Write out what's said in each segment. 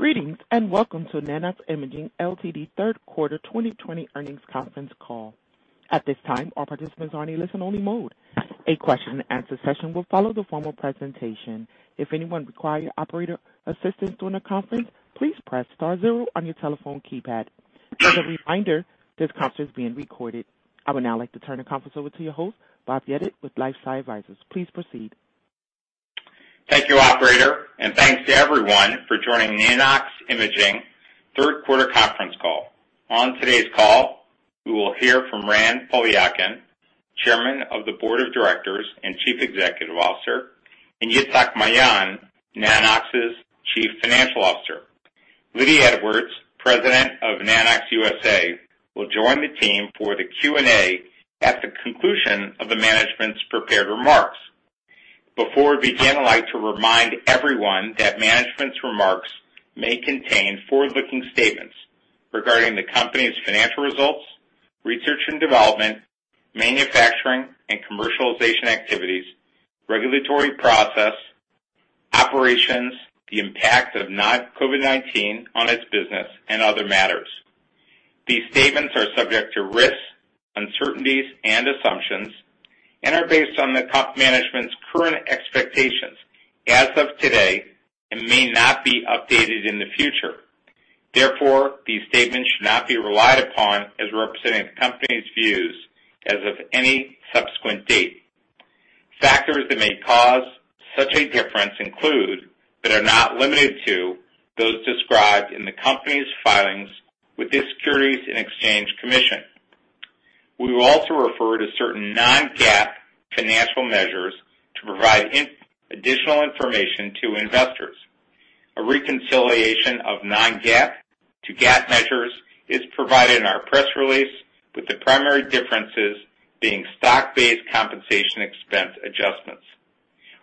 Greetings, and welcome to NANO-X IMAGING LTD third quarter 2020 earnings conference call. At this time all participants are in a listen only mode, a question-and-answer session will follow the formal presentation. If anyone require operator assistance during the conference, please press star zero on your telephone keypad. A reminder this conference is being recorded. I would now like to turn the conference over to your host, Bob Yedid, with LifeSci Advisors. Please proceed. Thank you, operator, and thanks to everyone for joining Nano-X Imaging third quarter conference call. On today's call, we will hear from Ran Poliakine, Chairman of the Board of Directors and Chief Executive Officer, and Itzhak Maayan, Nanox's Chief Financial Officer. Lydia Edwards, President of Nanox USA, will join the team for the Q&A at the conclusion of the management's prepared remarks. Before we begin, I'd like to remind everyone that management's remarks may contain forward-looking statements regarding the company's financial results, research and development, manufacturing and commercialization activities, regulatory process, operations, the impact of COVID-19 on its business, and other matters. These statements are subject to risks, uncertainties, and assumptions, and are based on the top management's current expectations as of today and may not be updated in the future. Therefore, these statements should not be relied upon as representing the company's views as of any subsequent date. Factors that may cause such a difference include, but are not limited to, those described in the company's filings with the Securities and Exchange Commission. We will also refer to certain non-GAAP financial measures to provide additional information to investors. A reconciliation of non-GAAP to GAAP measures is provided in our press release, with the primary differences being stock-based compensation expense adjustments.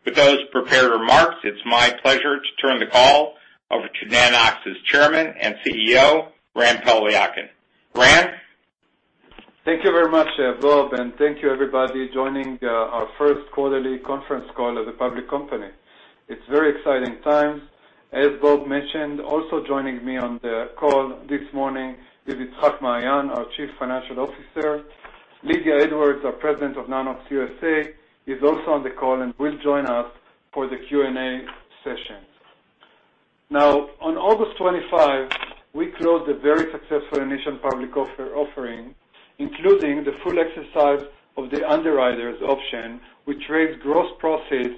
With those prepared remarks, it is my pleasure to turn the call over to Nanox's Chairman and CEO, Ran Poliakine. Ran? Thank you very much, Bob, and thank you everybody joining our first quarterly conference call as a public company. It's very exciting times. As Bob mentioned, also joining me on the call this morning is Itzhak Maayan, our Chief Financial Officer. Lydia Edwards, our President of Nanox USA, is also on the call and will join us for the Q&A session. On August 25, we closed a very successful initial public offering, including the full exercise of the underwriter's option, which raised gross proceeds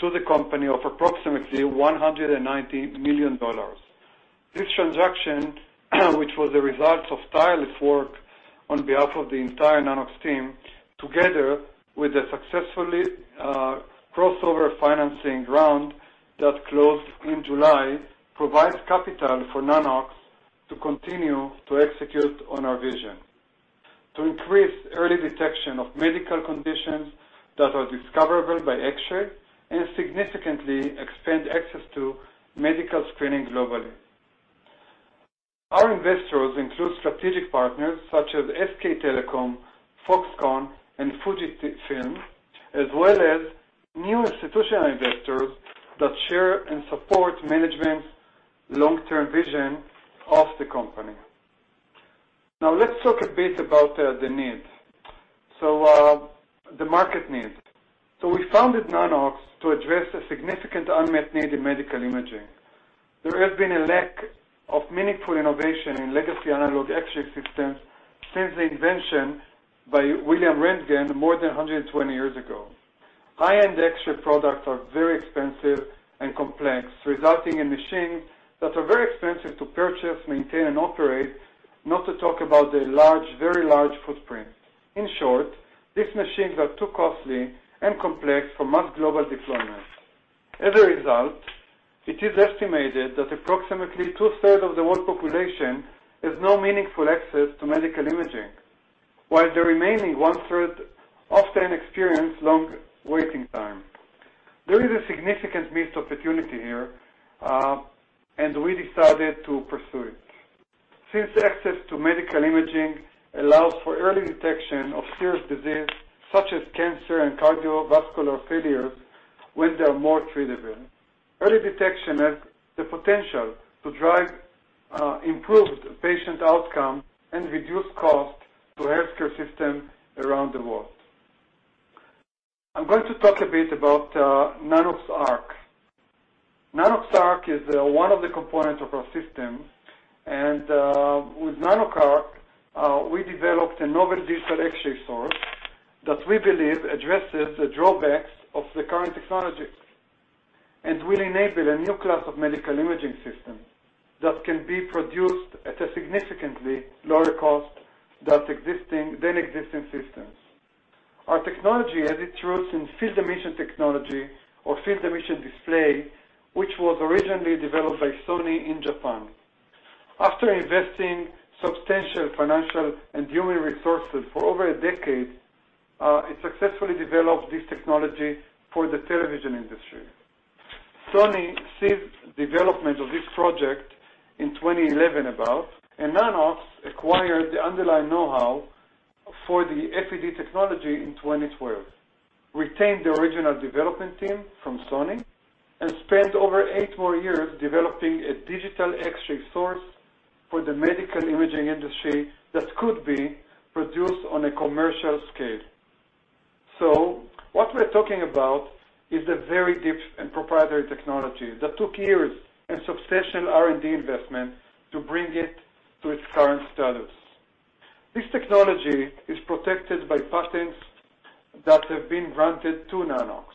to the company of approximately $190 million. This transaction, which was a result of tireless work on behalf of the entire Nanox team, together with a successfully crossover financing round that closed in July, provides capital for Nanox to continue to execute on our vision. To increase early detection of medical conditions that are discoverable by X-ray and significantly expand access to medical screening globally. Our investors include strategic partners such as SK Telecom, Foxconn, and Fujifilm, as well as new institutional investors that share and support management's long-term vision of the company. Let's talk a bit about the need. The market needs. We founded Nanox to address a significant unmet need in medical imaging. There has been a lack of meaningful innovation in legacy analog X-ray systems since the invention by Wilhelm Röntgen more than 120 years ago. High-end X-ray products are very expensive and complex, resulting in machines that are very expensive to purchase, maintain, and operate, not to talk about their very large footprint. In short, these machines are too costly and complex for mass global deployment. As a result, it is estimated that approximately two-thirds of the world population has no meaningful access to medical imaging, while the remaining one-third often experience long waiting time. There is a significant missed opportunity here, and we decided to pursue it. Since access to medical imaging allows for early detection of serious disease such as cancer and cardiovascular failures when they are more treatable, early detection has the potential to drive improved patient outcome and reduce cost to healthcare systems around the world. I'm going to talk a bit about Nanox.ARC. Nanox.ARC is one of the components of our system, and with Nanox.ARC, we developed a novel digital X-ray source that we believe addresses the drawbacks of the current technologies and will enable a new class of medical imaging systems that can be produced at a significantly lower cost than existing systems. Our technology has its roots in field emission technology or field-emission display, which was originally developed by Sony in Japan. After investing substantial financial and human resources for over a decade, it successfully developed this technology for the television industry. Sony ceased development of this project in 2011 about, and Nanox acquired the underlying know-how for the FED technology in 2012, retained the original development team from Sony, and spent over eight more years developing a digital X-ray source for the medical imaging industry that could be produced on a commercial scale. What we're talking about is a very deep and proprietary technology that took years and substantial R&D investment to bring it to its current status. This technology is protected by patents that have been granted to Nanox.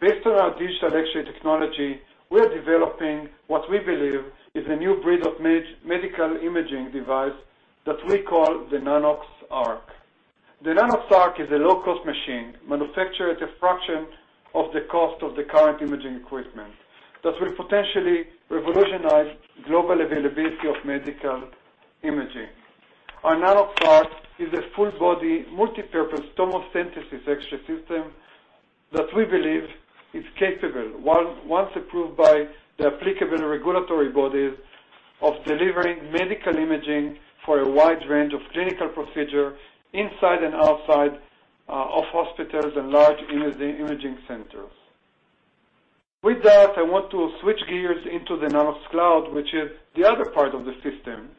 Based on our digital X-ray technology, we are developing what we believe is a new breed of medical imaging device that we call the Nanox.ARC. The Nanox.ARC is a low-cost machine manufactured at a fraction of the cost of the current imaging equipment, that will potentially revolutionize global availability of medical imaging. Our Nanox.ARC is a full-body, multipurpose tomosynthesis X-ray system that we believe is capable, once approved by the applicable regulatory bodies, of delivering medical imaging for a wide range of clinical procedure inside and outside of hospitals and large imaging centers. With that, I want to switch gears into the Nanox.CLOUD, which is the other part of the system.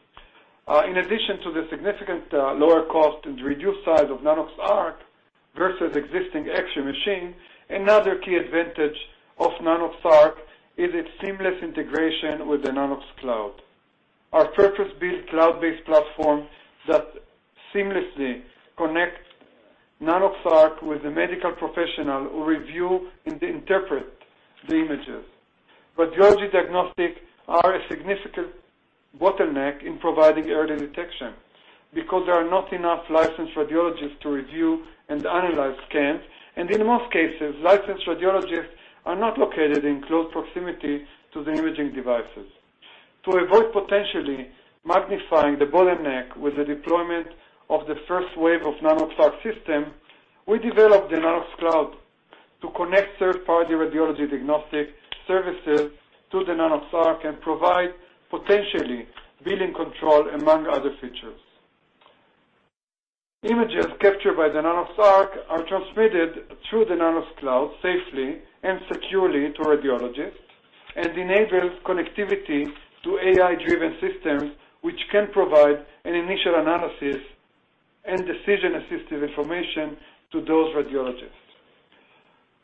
In addition to the significant lower cost and reduced size of Nanox.ARC versus existing X-ray machine, another key advantage of Nanox.ARC is its seamless integration with the Nanox.CLOUD. Our purpose-built cloud-based platform that seamlessly connects Nanox.ARC with the medical professional who review and interpret the images. Radiology diagnostic are a significant bottleneck in providing early detection because there are not enough licensed radiologists to review and analyze scans, and in most cases, licensed radiologists are not located in close proximity to the imaging devices. To avoid potentially magnifying the bottleneck with the deployment of the first wave of Nanox.ARC systems, we developed the Nanox.CLOUD to connect third-party radiology diagnostic services to the Nanox.ARC and provide potentially billing control, among other features. Images captured by the Nanox.ARC are transmitted through the Nanox.CLOUD safely and securely to radiologists and enables connectivity to AI-driven systems, which can provide an initial analysis and decision-assistive information to those radiologists.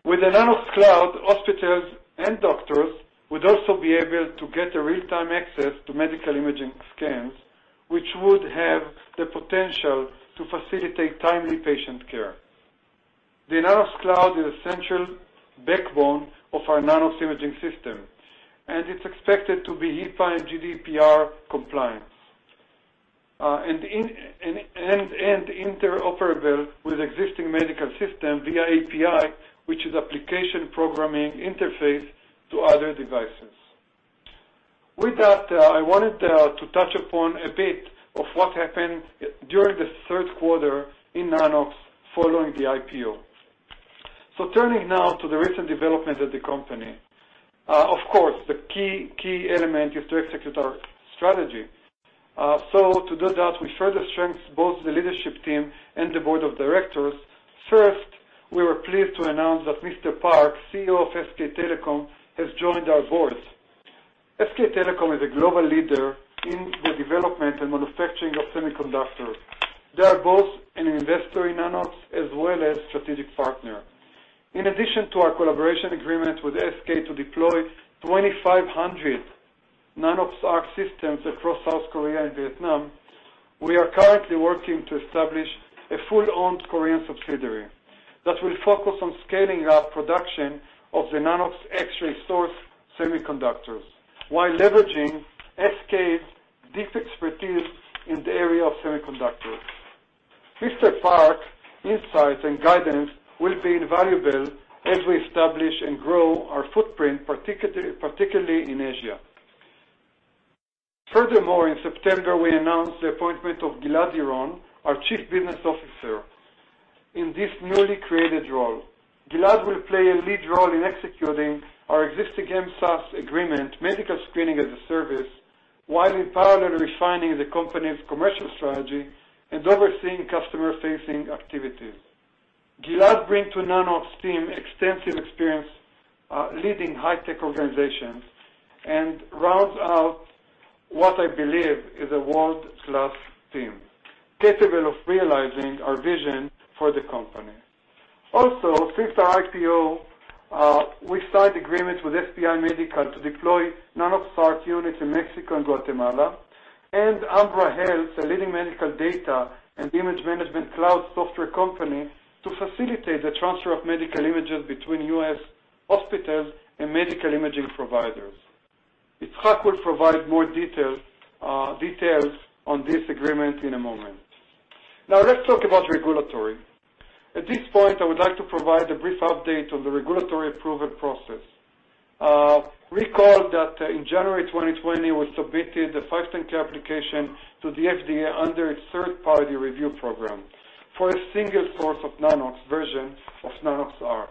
With the Nanox.CLOUD, hospitals and doctors would also be able to get a real-time access to medical imaging scans, which would have the potential to facilitate timely patient care. The Nanox.CLOUD is a central backbone of our Nano-X Imaging system, and it's expected to be HIPAA and GDPR compliant, and interoperable with existing medical system via API, which is application programming interface to other devices. With that, I wanted to touch upon a bit of what happened during the third quarter in Nanox following the IPO. Turning now to the recent development of the company. Of course, the key element is to execute our strategy. To do that, we further strengthened both the leadership team and the board of directors. First, we were pleased to announce that Mr. Park, CEO of SK Telecom, has joined our board. SK Telecom is a global leader in the development and manufacturing of semiconductors. They are both an investor in Nanox as well as strategic partner. In addition to our collaboration agreement with SK Telecom to deploy 2,500 Nanox.ARC systems across South Korea and Vietnam, we are currently working to establish a full-owned Korean subsidiary that will focus on scaling up production of the Nanox X-ray source semiconductors while leveraging SK's deep expertise in the area of semiconductors. Mr. Park's insights and guidance will be invaluable as we establish and grow our footprint, particularly in Asia. Furthermore, in September, we announced the appointment of Gilad Yron, our Chief Business Officer, in this newly created role. Gilad will play a lead role in executing our existing MSaaS agreement, medical screening as a service, while in parallel refining the company's commercial strategy and overseeing customer-facing activities. Gilad bring to Nanox team extensive experience leading high-tech organizations, and rounds out what I believe is a world-class team capable of realizing our vision for the company. Also, since the IPO, we signed agreements with SPI Medical to deploy Nanox.ARC units in Mexico and Guatemala, and Ambra Health, a leading medical data and image management cloud software company, to facilitate the transfer of medical images between U.S. hospitals and medical imaging providers. Itzhak will provide more details on this agreement in a moment. Let's talk about regulatory. At this point, I would like to provide a brief update on the regulatory approval process. Recall that in January 2020, we submitted a 510(k) application to the FDA under its third-party review program for a single source of Nanox version of Nanox.ARC.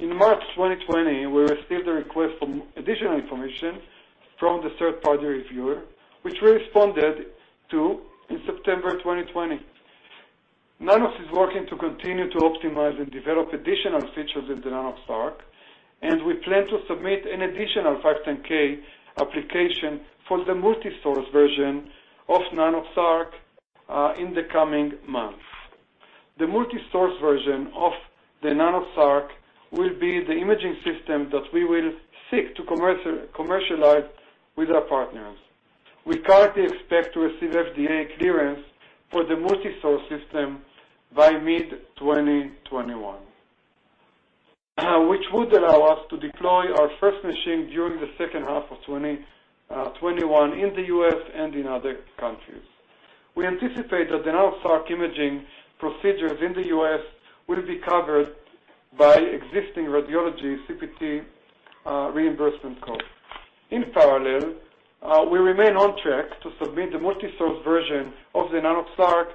In March 2020, we received a request for additional information from the third-party reviewer, which we responded to in September 2020. Nanox is working to continue to optimize and develop additional features in the Nanox.ARC, and we plan to submit an additional 510(k) application for the multi-source version of Nanox.ARC in the coming months. The multi-source version of the Nanox.ARC will be the imaging system that we will seek to commercialize with our partners. We currently expect to receive FDA clearance for the multi-source system by mid-2021, which would allow us to deploy our first machine during the second half of 2021 in the U.S. and in other countries. We anticipate that the Nanox.ARC imaging procedures in the U.S. will be covered by existing radiology CPT reimbursement codes. In parallel, we remain on track to submit the multi-source version of the Nanox.ARC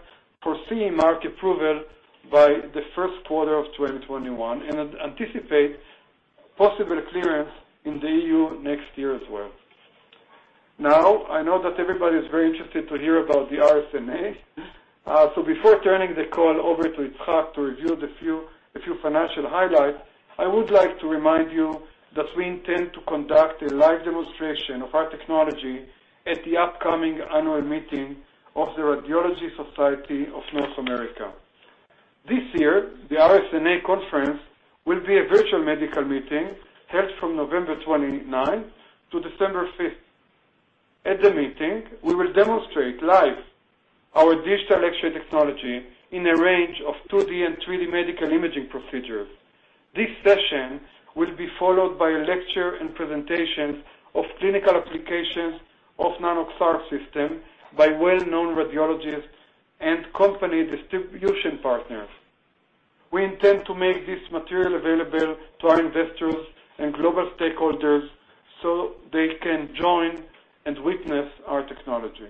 for CE mark approval by the first quarter of 2021, and anticipate possible clearance in the EU next year as well. I know that everybody is very interested to hear about the RSNA. Before turning the call over to Itzhak to review the few financial highlights, I would like to remind you that we intend to conduct a live demonstration of our technology at the upcoming annual meeting of the Radiological Society of North America. This year, the RSNA conference will be a virtual medical meeting held from November 29th-December 5th. At the meeting, we will demonstrate live our digital X-ray technology in a range of 2D and 3D medical imaging procedures. This session will be followed by a lecture and presentations of clinical applications of Nanox.ARC system by well-known radiologists and company distribution partners. We intend to make this material available to our investors and global stakeholders so they can join and witness our technology.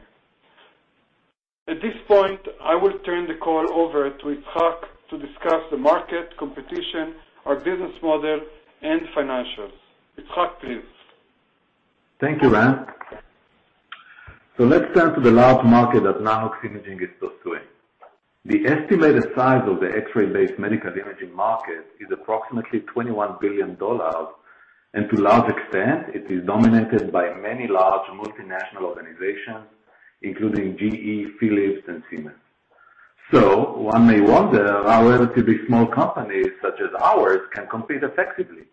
At this point, I will turn the call over to Itzhak to discuss the market, competition, our business model, and financials. Itzhak, please. Thank you, Ran. Let's turn to the large market that Nano-X Imaging is pursuing. The estimated size of the X-ray-based medical imaging market is approximately $21 billion. To large extent, it is dominated by many large multinational organizations, including GE, Philips, and Siemens. One may wonder how relatively small companies such as ours can compete effectively.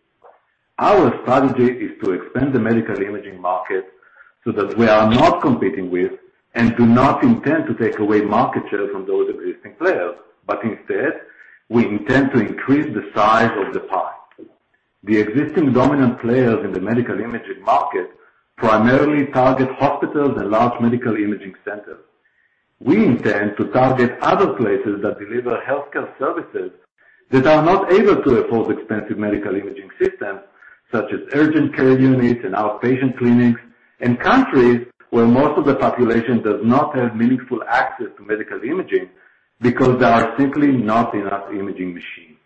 Our strategy is to expand the medical imaging market so that we are not competing with and do not intend to take away market share from those existing players. Instead, we intend to increase the size of the pie. The existing dominant players in the medical imaging market primarily target hospitals and large medical imaging centers. We intend to target other places that deliver healthcare services that are not able to afford expensive medical imaging systems, such as urgent care units and outpatient clinics, and countries where most of the population does not have meaningful access to medical imaging because there are simply not enough imaging machines.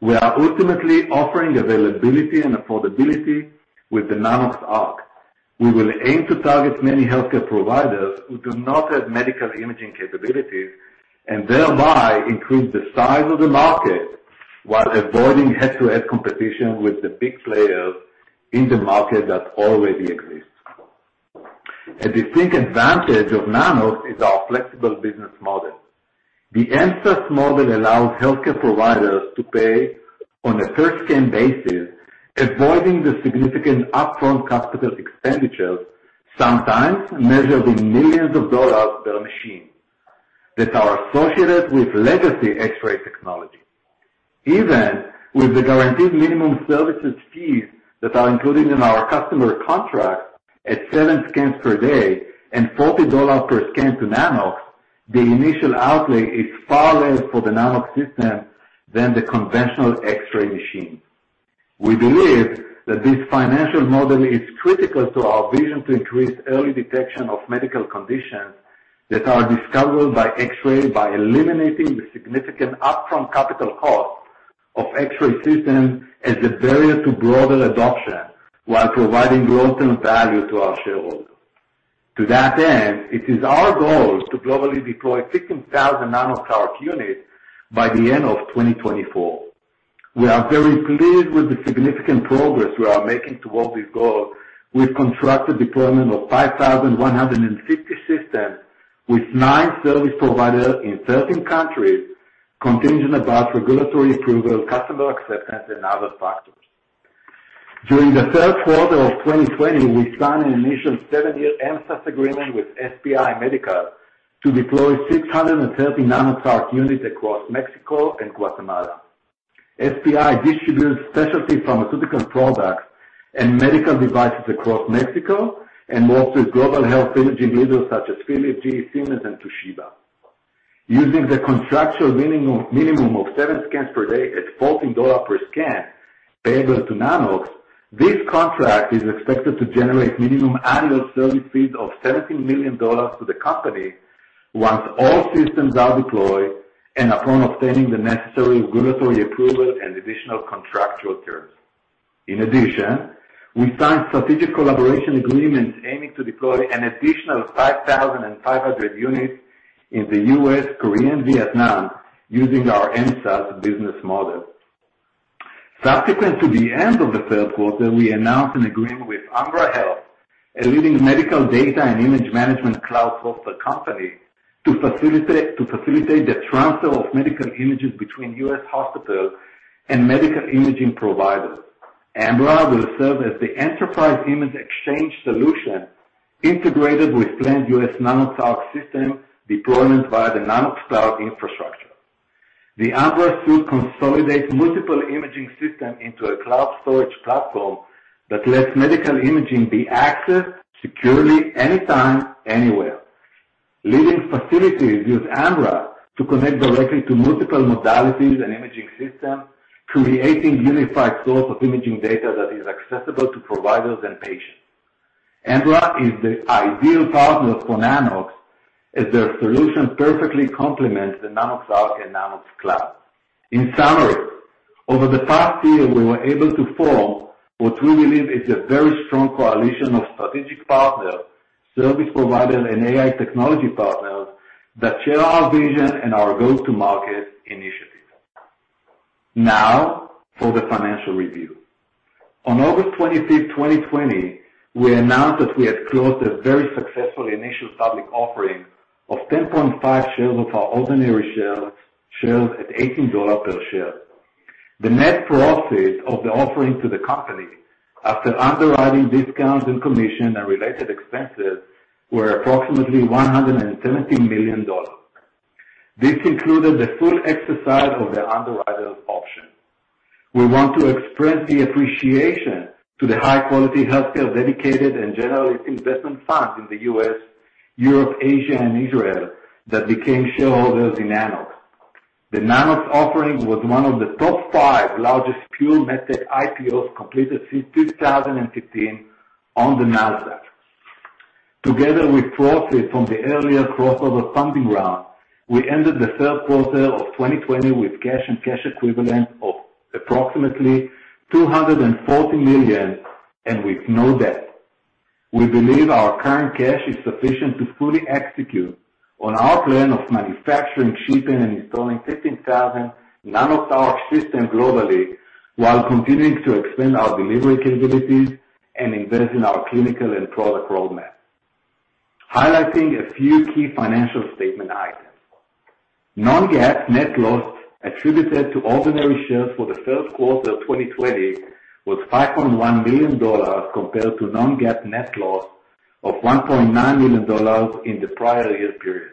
We are ultimately offering availability and affordability with the Nanox.ARC. We will aim to target many healthcare providers who do not have medical imaging capabilities, and thereby, increase the size of the market while avoiding head-to-head competition with the big players in the market that already exists. A distinct advantage of Nanox is our flexible business model. The MSaaS model allows healthcare providers to pay on a per-scan basis, avoiding the significant upfront capital expenditures, sometimes measured in millions of dollars per machine, that are associated with legacy X-ray technology. Even with the guaranteed minimum services fees that are included in our customer contracts at seven scans per day and $40 per scan to Nanox, the initial outlay is far less for the Nanox system than the conventional X-ray machine. We believe that this financial model is critical to our vision to increase early detection of medical conditions that are discoverable by X-ray, by eliminating the significant upfront capital cost of X-ray systems as a barrier to broader adoption, while providing long-term value to our shareholders. To that end, it is our goal to globally deploy 16,000 Nanox.ARC units by the end of 2024. We are very pleased with the significant progress we are making towards this goal. We've contracted deployment of 5,150 systems with nine service providers in 13 countries, contingent upon regulatory approval, customer acceptance, and other factors. During the third quarter of 2020, we signed an initial seven-year MSaaS agreement with SPI Medical to deploy 630 Nanox.ARC units across Mexico and Guatemala. SPI distributes specialty pharmaceutical products and medical devices across Mexico and works with global health imaging leaders such as Philips, GE, Siemens, and Toshiba. Using the contractual minimum of seven scans per day at $40 per scan payable to Nanox, this contract is expected to generate minimum annual service fees of $17 million to the company once all systems are deployed and upon obtaining the necessary regulatory approval and additional contractual terms. In addition, we signed strategic collaboration agreements aiming to deploy an additional 5,500 units in the U.S., Korea, and Vietnam using our MSaaS business model. Subsequent to the end of the third quarter, we announced an agreement with Ambra Health, a leading medical data and image management cloud software company, to facilitate the transfer of medical images between U.S. hospitals and medical imaging providers. Ambra will serve as the enterprise image exchange solution integrated with planned U.S. Nanox.AI system deployments via the Nanox.CLOUD infrastructure. The Ambra suite consolidates multiple imaging systems into a cloud storage platform that lets medical imaging be accessed securely anytime, anywhere. Leading facilities use Ambra to connect directly to multiple modalities and imaging systems, creating unified source of imaging data that is accessible to providers and patients. Ambra is the ideal partner for Nanox as their solution perfectly complements the Nanox.ARC and Nanox.CLOUD. In summary, over the past year, we were able to form what we believe is a very strong coalition of strategic partners, service providers, and AI technology partners that share our vision and our go-to-market initiatives. For the financial review. On August 25th, 2020, we announced that we had closed a very successful initial public offering of 10.5 shares of our ordinary shares at $18 per share. The net proceeds of the offering to the company, after underwriting discounts and commission and related expenses, were approximately $170 million. This included the full exercise of the underwriter's option. We want to express the appreciation to the high-quality healthcare dedicated and general investment funds in the U.S., Europe, Asia, and Israel that became shareholders in Nanox. The Nanox offering was one of the top five largest pure MedTech IPOs completed since 2015 on the Nasdaq. Together with proceeds from the earlier crossover funding round, we ended the third quarter of 2020 with cash and cash equivalents of approximately $240 million and with no debt. We believe our current cash is sufficient to fully execute on our plan of manufacturing, shipping, and installing 15,000 Nanox.ARC systems globally while continuing to expand our delivery capabilities and invest in our clinical and product roadmap. Highlighting a few key financial statement items. non-GAAP net loss attributed to ordinary shares for the third quarter of 2020 was $5.1 million compared to non-GAAP net loss of $1.9 million in the prior year period.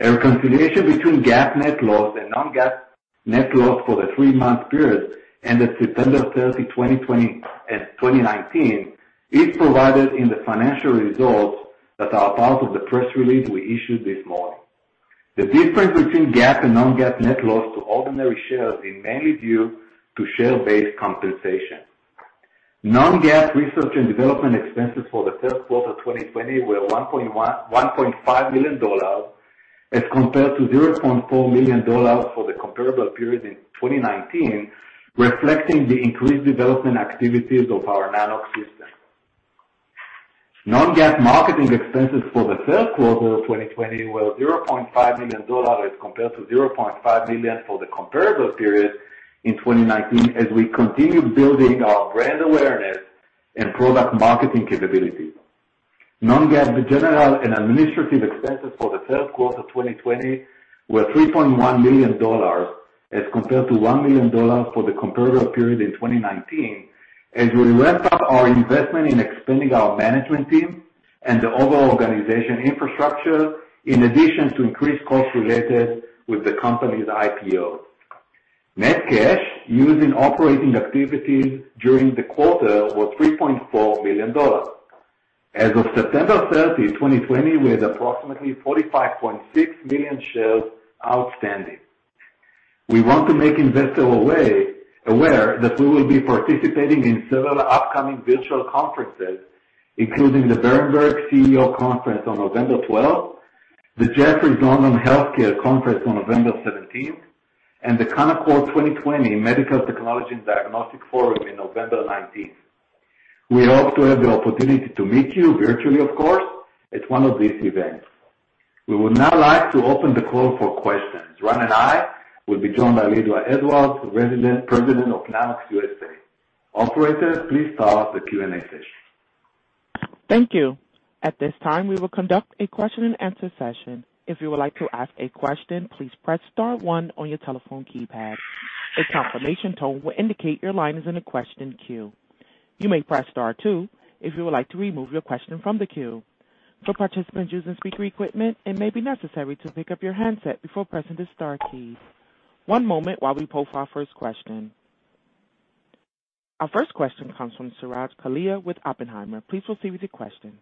A reconciliation between GAAP net loss and non-GAAP net loss for the three-month period ended September 30th, 2019, is provided in the financial results that are part of the press release we issued this morning. The difference between GAAP and non-GAAP net loss to ordinary shares is mainly due to share-based compensation. Non-GAAP research and development expenses for the third quarter 2020 were $1.5 million as compared to $0.4 million for the comparable period in 2019, reflecting the increased development activities of our Nanox system. Non-GAAP marketing expenses for the third quarter of 2020 were $0.5 million as compared to $0.5 million for the comparable period in 2019, as we continue building our brand awareness and product marketing capabilities. Non-GAAP general and administrative expenses for the third quarter 2020 were $3.1 million as compared to $1 million for the comparable period in 2019, as we ramped up our investment in expanding our management team and the overall organization infrastructure, in addition to increased costs related with the company's IPO. Net cash used in operating activities during the quarter was $3.4 million. As of September 30, 2020, we had approximately 45.6 million shares outstanding. We want to make investors aware that we will be participating in several upcoming virtual conferences, including the Berenberg CEO Conference on November 12th, the Jefferies London Healthcare Conference on November 17th, and the Canaccord 2020 Medical Technologies and Diagnostics Forum in November 19th. We hope to have the opportunity to meet you, virtually of course, at one of these events. We would now like to open the call for questions. Ran and I will be joined by Lydia Edwards, President of Nanox USA. Operator, please start the Q&A session. Thank you. At this time, we will conduct a question-and-answer session. If you would like to ask a question, please press star one on your telephone keypad. A confirmation tone will indicate your line is in a question queue. You may press star two if you would like to remove your question from the queue. For participants using speaker equipment, it may be necessary to pick up your handset before pressing the star keys. One moment while we poll for our first question. Our first question comes from Suraj Kalia with Oppenheimer. Please proceed with your question.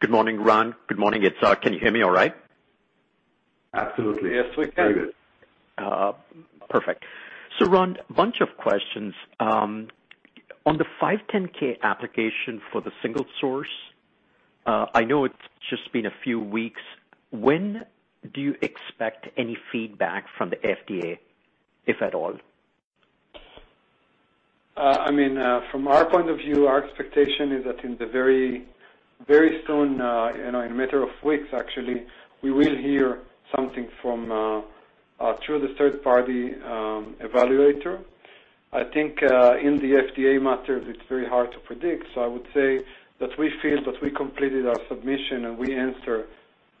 Good morning, Ran. Good morning, Itzhak. Can you hear me all right? Absolutely. Yes, we can. Very good. Perfect. Ran, bunch of questions. On the 510(k) application for the single source, I know it's just been a few weeks. When do you expect any feedback from the FDA, if at all? From our point of view, our expectation is that in the very soon, in a matter of weeks actually, we will hear something through the third-party evaluator. I think, in the FDA matters, it's very hard to predict. I would say that we feel that we completed our submission, and we answer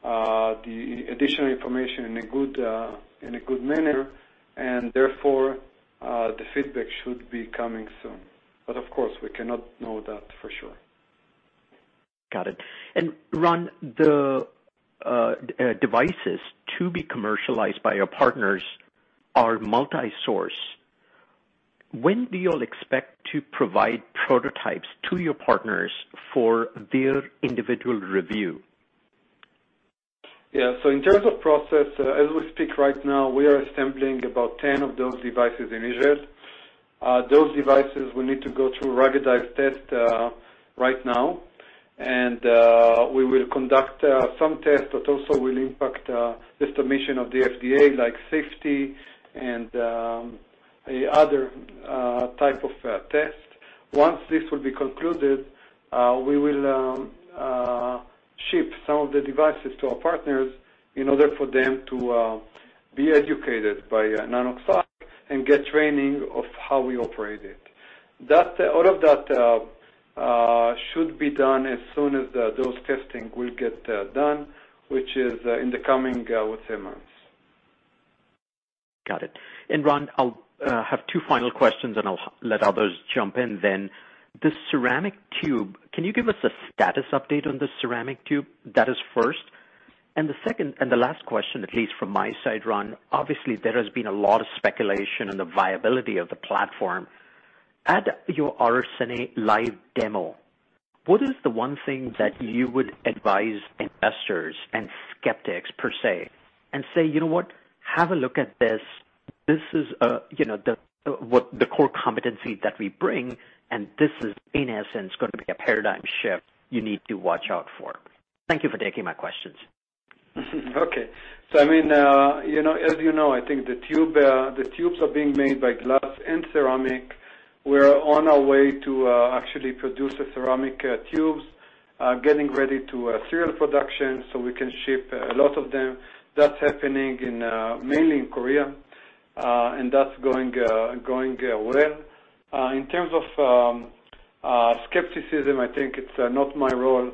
the additional information in a good manner, and therefore, the feedback should be coming soon. Of course, we cannot know that for sure. Got it. Ran, the devices to be commercialized by your partners are multi-source. When do you all expect to provide prototypes to your partners for their individual review? Yeah. In terms of process, as we speak right now, we are assembling about 10 of those devices in Israel. Those devices will need to go through a ruggedized test right now, and we will conduct some tests that also will impact the submission of the FDA, like safety and other type of tests. Once this will be concluded, we will ship some of the devices to our partners in order for them to be educated by Nanox staff and get training of how we operate it. All of that should be done as soon as those testing will get done, which is in the coming, I would say, months. Got it. Ran, I'll have two final questions, and I'll let others jump in then. The ceramic tube, can you give us a status update on the ceramic tube? That is first. The second and the last question, at least from my side, Ran, obviously, there has been a lot of speculation on the viability of the platform. At your RSNA live demo, what is the one thing that you would advise investors and skeptics per se, and say, "You know what. Have a look at this. This is the core competency that we bring, and this is, in essence, going to be a paradigm shift you need to watch out for." Thank you for taking my questions. Okay. As you know, I think the tubes are being made by glass and ceramic. We're on our way to actually produce the ceramic tubes, getting ready to serial production so we can ship a lot of them. That's happening mainly in Korea, and that's going well. In terms of skepticism, I think it's not my role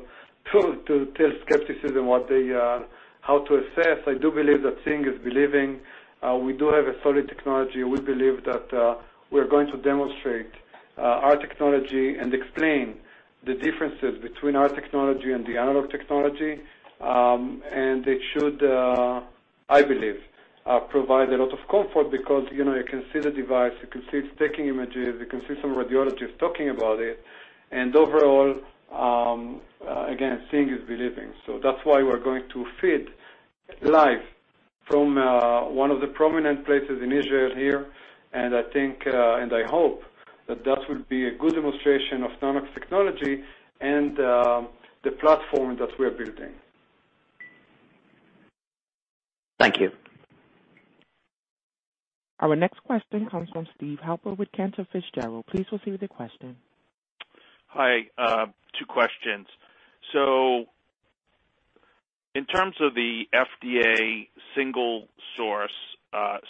to tell skepticism how to assess. I do believe that seeing is believing. We do have a solid technology, and we believe that we're going to demonstrate our technology and explain the differences between our technology and the analog technology. It should, I believe, provide a lot of comfort because you can see the device, you can see it's taking images, you can see some radiologists talking about it. Overall, again, seeing is believing. That's why we're going to feed live from one of the prominent places in Israel here, and I think, and I hope that that will be a good demonstration of Nanox technology and the platform that we're building. Thank you. Our next question comes from Steve Halper with Cantor Fitzgerald. Please proceed with your question. Hi. Two questions. In terms of the FDA single source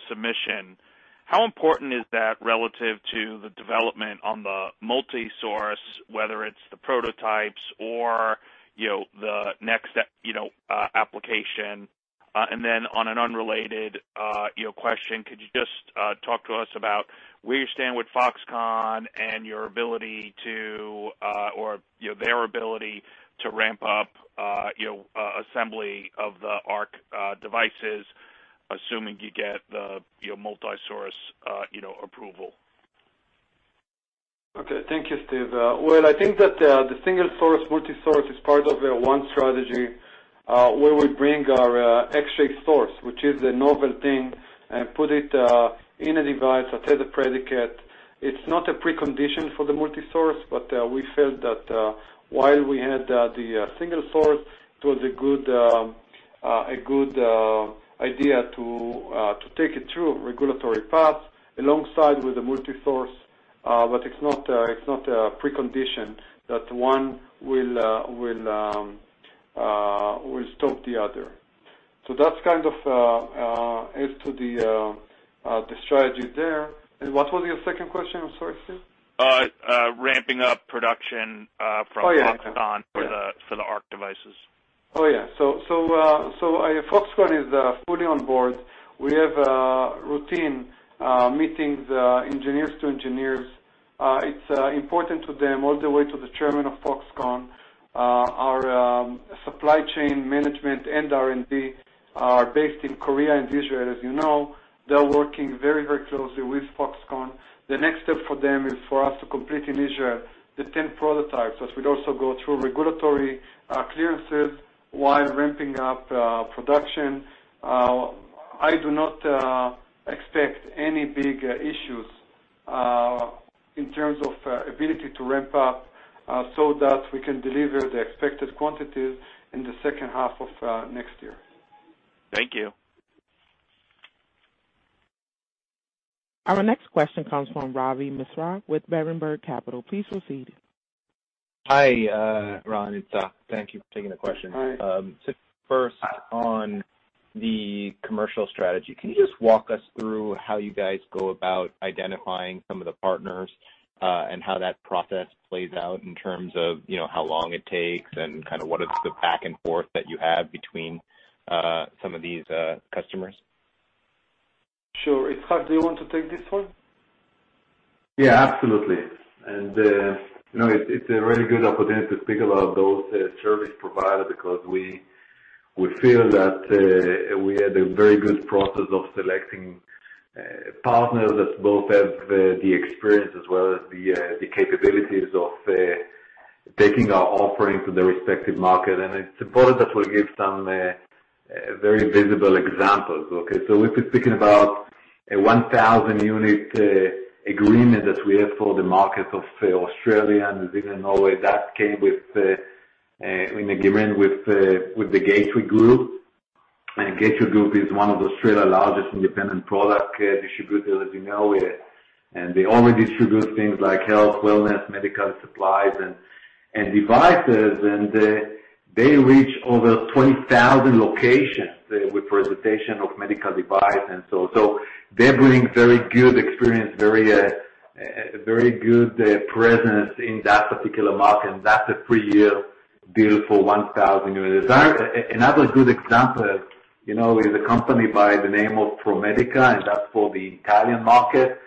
submission, how important is that relative to the development on the multi-source, whether it's the prototypes or the next application? On an unrelated question, could you just talk to us about where you stand with Foxconn and their ability to ramp up assembly of the Arc devices, assuming you get the multi-source approval? Okay. Thank you, Steve. I think that the single source, multi-source is part of one strategy where we bring our X-shaped source, which is a novel thing, and put it in a device that has a predicate. It's not a precondition for the multi-source, we felt that while we had the single source, it was a good idea to take it through a regulatory path alongside with the multi-source. It's not a precondition that one will stop the other. That's kind of as to the strategy there. What was your second question? I'm sorry, Steve. Ramping up production from Foxconn. Oh, yeah. For the Arc devices. Oh, yeah. Foxconn is fully on board. We have routine meetings, engineers to engineers. It's important to them, all the way to the chairman of Foxconn. Our supply chain management and R&D are based in Korea and Israel, as you know. They're working very closely with Foxconn. The next step for them is for us to complete in Israel the 10 prototypes that will also go through regulatory-clearances while ramping up production. I do not expect any big issues in terms of ability to ramp up so that we can deliver the expected quantities in the second half of next year. Thank you. Our next question comes from Ravi Misra with Berenberg Capital. Please proceed. Hi, Ran, it's Itzhak. Thank you for taking the question. Hi. First, on the commercial strategy, can you just walk us through how you guys go about identifying some of the partners and how that process plays out in terms of how long it takes and kind of what is the back and forth that you have between some of these customers? Sure. Itzhak, do you want to take this one? Yeah, absolutely. It's a really good opportunity to speak about those service providers because we feel that we had a very good process of selecting partners that both have the experience as well as the capabilities of taking our offering to the respective market. It's important that we give some very visible examples, okay? If we're speaking about a 1,000-unit agreement that we have for the market of Australia and New Zealand, Norway, that came an agreement with the Gateway Group. Gateway Group is one of Australia's largest independent product distributors, as you know, and they already distribute things like health, wellness, medical supplies, and devices. They reach over 20,000 locations with presentation of medical device. They're bringing very good experience, very good presence in that particular market, and that's a three-year deal for 1,000 units. Another good example is a company by the name of Promedica. That's for the Italian market.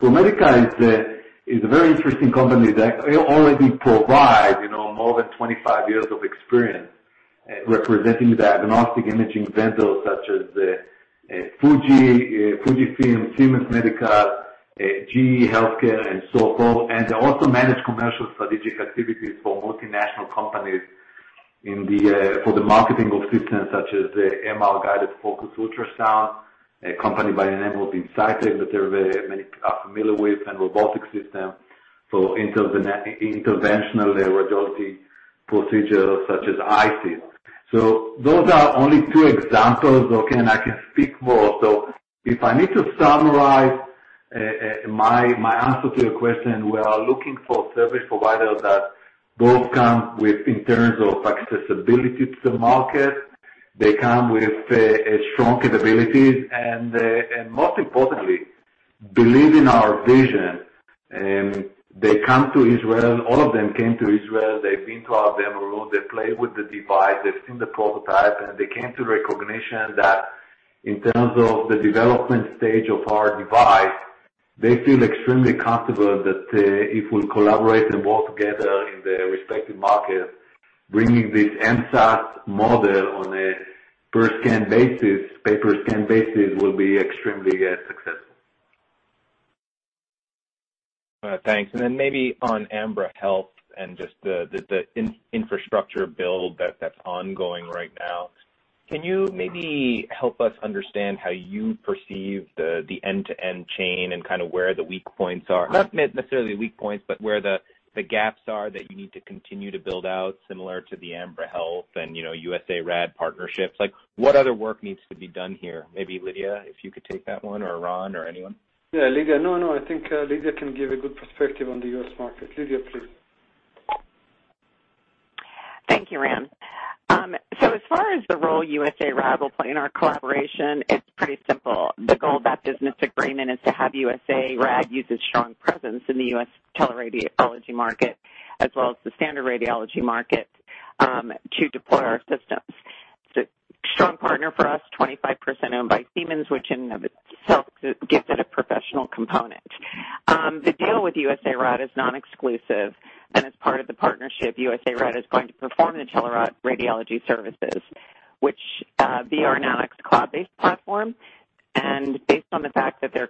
Promedica is a very interesting company that already provide more than 25 years of experience representing diagnostic imaging vendors such as Fuji, Fujifilm, Siemens Medical, GE HealthCare, and so forth. They also manage commercial strategic activities for multinational companies for the marketing of systems such as MR-guided focused ultrasound, a company by the name of Insightec, that many are familiar with, and robotic system for interventional radiology procedures such as IC. Those are only two examples, okay? I can speak more. If I need to summarize my answer to your question, we are looking for service providers that both come with in terms of accessibility to the market. They come with strong capabilities and most importantly, believe in our vision. They come to Israel. All of them came to Israel. They've been to our demo room. They play with the device. They've seen the prototype. They came to recognition that in terms of the development stage of our device, they feel extremely comfortable that if we collaborate and work together in the respective market, bringing this MSaaS model on a per scan basis, pay per scan basis will be extremely successful. Thanks. Maybe on Ambra Health and just the infrastructure build that's ongoing right now. Can you maybe help us understand how you perceive the end-to-end chain and kind of where the weak points are? Not necessarily weak points, where the gaps are that you need to continue to build out similar to the Ambra Health and USARAD partnerships. Like, what other work needs to be done here? Maybe Lydia, if you could take that one, or Ran or anyone. Yeah, Lydia. I think Lydia can give a good perspective on the U.S. market. Lydia, please. Thank you, Ran. As far as the role USARAD will play in our collaboration, it's pretty simple. The goal of that business agreement is to have USARAD use its strong presence in the U.S. teleradiology market, as well as the standard radiology market, to deploy our systems. It's a strong partner for us, 25% owned by Siemens, which in and of itself gives it a professional component. The deal with USARAD is non-exclusive, as part of the partnership, USARAD is going to perform the teleradiology services, which via our Nanox.CLOUD, and based on the fact that their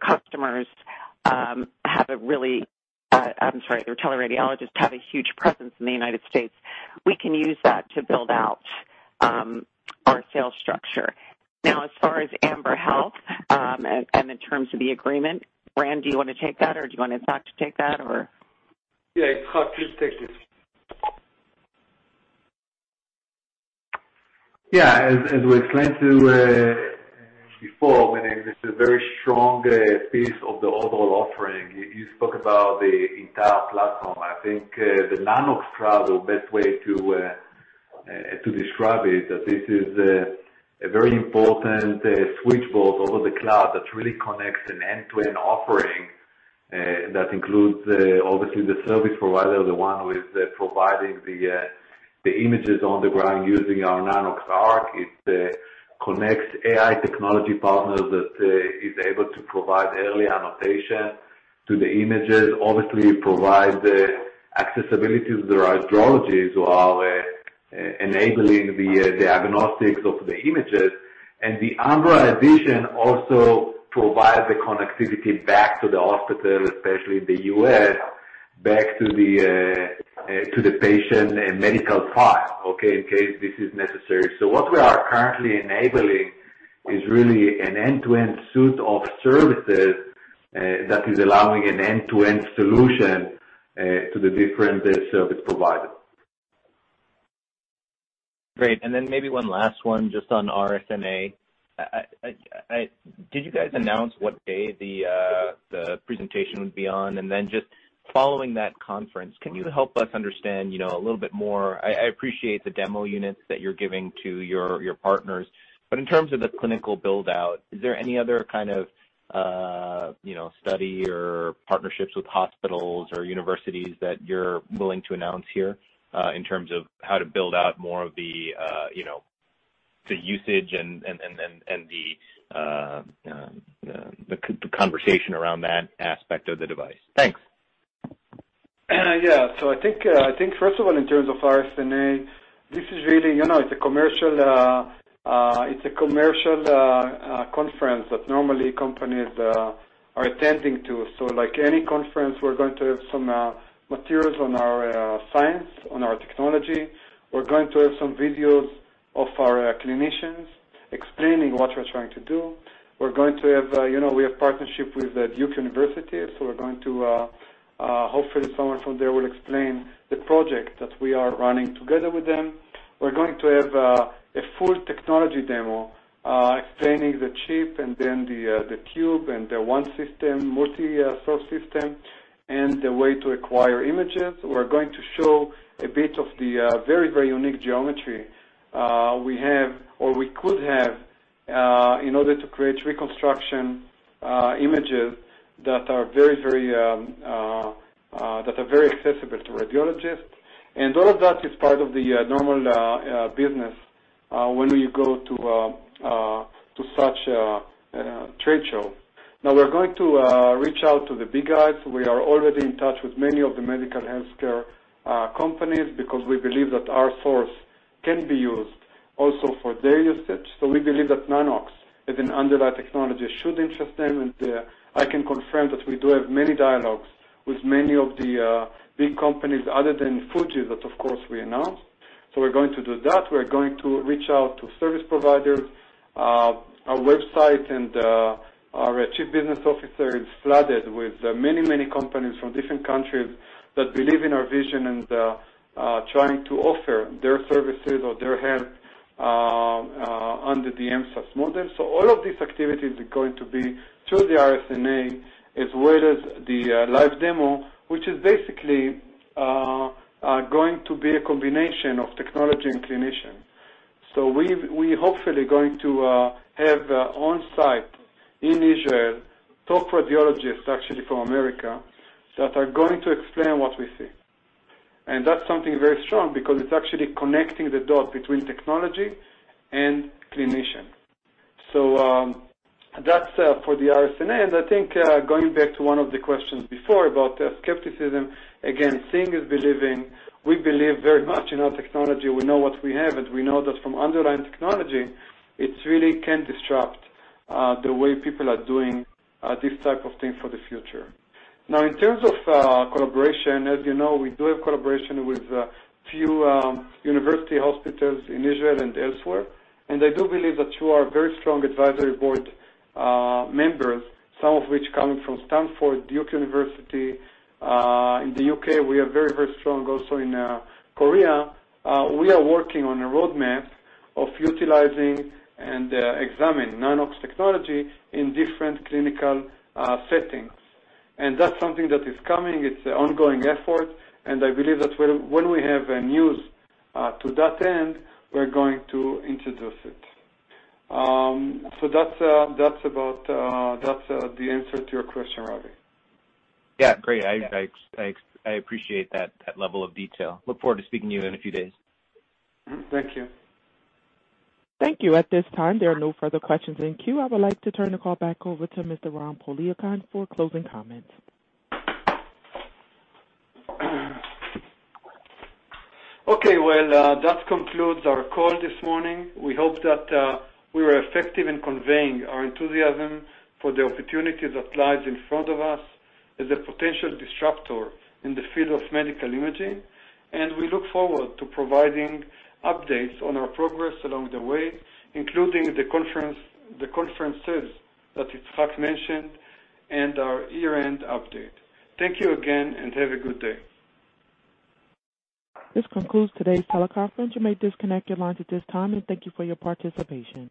teleradiologists have a huge presence in the U.S. We can use that to build out our sales structure. Now, as far as Ambra Health, and in terms of the agreement, Ran, do you want to take that, or do you want Itzhak to take that, or? Yeah, Itzhak, please take it. Yeah. As we explained before, this is a very strong piece of the overall offering. You spoke about the entire platform. I think the Nanox.CLOUD, the best way to describe it, that this is a very important switchboard over the cloud that really connects an end-to-end offering that includes, obviously, the service provider, the one who is providing the images on the ground using our Nanox.ARC. It connects AI technology partners that is able to provide early annotation to the images, obviously provide accessibility to the radiologist who are enabling the diagnostics of the images. The Ambra addition also provides the connectivity back to the hospital, especially the U.S., back to the patient and medical file, okay, in case this is necessary. What we are currently enabling is really an end-to-end suite of services that is allowing an end-to-end solution to the different service providers. Great. Then maybe one last one just on RSNA. Did you guys announce what day the presentation would be on? Then just following that conference, can you help us understand, a little bit more, I appreciate the demo units that you're giving to your partners, but in terms of the clinical build-out, is there any other kind of study or partnerships with hospitals or universities that you're willing to announce here, in terms of how to build out more of the usage and the conversation around that aspect of the device? Thanks. I think, first of all, in terms of RSNA, it's a commercial conference that normally companies are attending to. Like any conference, we're going to have some materials on our science, on our technology. We're going to have some videos of our clinicians explaining what we're trying to do. We have partnership with Duke University, hopefully someone from there will explain the project that we are running together with them. We're going to have a full technology demo, explaining the chip and then the cube and the one system, multi-source system, and the way to acquire images. We're going to show a bit of the very, very unique geometry we have, or we could have, in order to create reconstruction images that are very accessible to radiologists. All of that is part of the normal business when we go to such a trade show. Now we're going to reach out to the big guys. We are already in touch with many of the medical healthcare companies because we believe that our source can be used also for their usage. We believe that Nanox, as an underlying technology, should interest them, and I can confirm that we do have many dialogues with many of the big companies other than Fujifilm, that of course we announced. We're going to do that. We're going to reach out to service providers. Our website and our chief business officer is flooded with many companies from different countries that believe in our vision and trying to offer their services or their help under the MSaaS model. All of these activities are going to be through the RSNA, as well as the live demo, which is basically going to be a combination of technology and clinician. We hopefully going to have on-site in Israel, top radiologists, actually from America, that are going to explain what we see. That's something very strong because it's actually connecting the dot between technology and clinician. That's for the RSNA. I think, going back to one of the questions before about skepticism, again, seeing is believing. We believe very much in our technology. We know what we have, and we know that from underlying technology, it really can disrupt the way people are doing this type of thing for the future. In terms of collaboration, as you know, we do have collaboration with a few university hospitals in Israel and elsewhere. I do believe that through our very strong advisory board members, some of which coming from Stanford, Duke University, in the U.K., we are very strong also in Korea. We are working on a roadmap of utilizing and examining Nanox technology in different clinical settings. That's something that is coming. It's an ongoing effort, and I believe that when we have news to that end, we're going to introduce it. That's the answer to your question, Ravi. Yeah. Great. I appreciate that level of detail. Look forward to speaking to you in a few days. Thank you. Thank you. At this time, there are no further questions in queue. I would like to turn the call back over to Mr. Ran Poliakine for closing comments. Okay. Well, that concludes our call this morning. We hope that we were effective in conveying our enthusiasm for the opportunity that lies in front of us as a potential disruptor in the field of medical imaging. We look forward to providing updates on our progress along the way, including the conferences that Itzhak mentioned and our year-end update. Thank you again, and have a good day. This concludes today's teleconference. You may disconnect your lines at this time, and thank you for your participation.